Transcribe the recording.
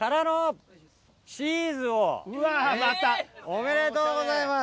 おめでとうございます。